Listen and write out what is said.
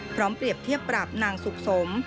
พร้อมเปรียบเทียบปราบนางสุขสม